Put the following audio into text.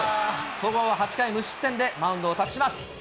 戸郷は８回無失点でマウンドを託します。